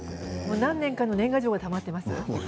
何年かの年賀状がたまっています。